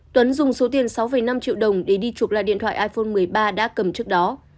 tuấn dùng số tiền sáu năm triệu đồng để đi chụp lại điện thoại iphone một mươi ba đã cầm trước đó